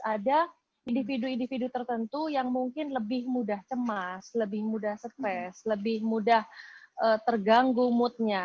ada individu individu tertentu yang mungkin lebih mudah cemas lebih mudah stress lebih mudah terganggu moodnya